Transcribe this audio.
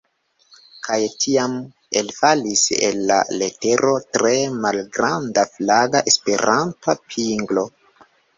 Kaj tiam elfalis el la letero tre malgranda flaga Esperanta pinglo.